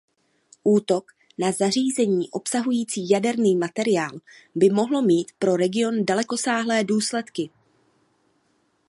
Útok na zařízení obsahující jaderný materiál by mohlo mít pro region dalekosáhlé důsledky.